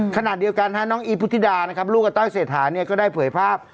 ขนาดเดียวกันน้องอีพุธิดานะครับลูกอาต้อยเศรษฐานี่ก็ได้เผยภาพ